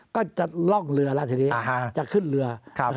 ก็จะล่องเรือแล้วทีนี้จะขึ้นเรือ